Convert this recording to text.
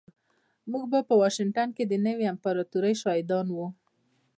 موږ به په واشنګټن کې د نوې امپراتورۍ شاهدان یو